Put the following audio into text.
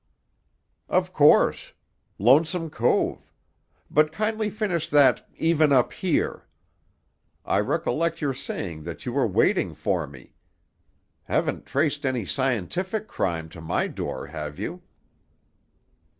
"Of course. Lonesome Cove. But kindly finish that 'even up here'. I recollect your saying that you were waiting for me. Haven't traced any scientific crime to my door, have you?"